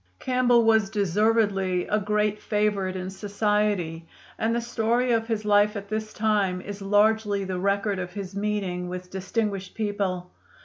Campbell was deservedly a great favorite in society, and the story of his life at this time is largely the record of his meeting with distinguished people.